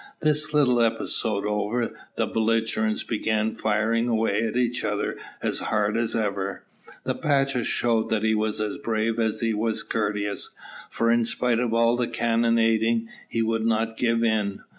This little episode over, the belligerents began firing away at each other as hard as ever. The pacha showed that he was as brave as he was courteous, for in spite of all the cannonading he would not give in.